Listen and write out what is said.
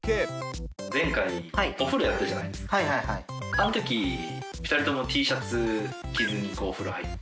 あのとき２人ともＴシャツ着ずにお風呂入って。